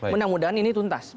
mudah mudahan ini tuntas